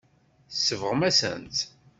Tsebɣem-asent-tt.